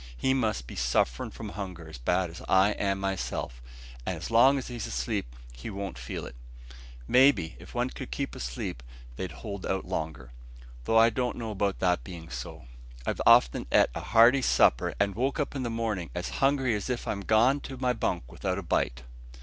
"He must be sufferin' from hunger as bad as I am myself, and as long as he's asleep he won't feel it. May be, if one could keep asleep they'd hold out longer, though I don't know 'bout that bein' so. I've often ate a hearty supper, and woke up in the mornin' as hungry as if I'm gone to my bunk without a bite.